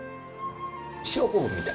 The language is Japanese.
塩昆布みたい。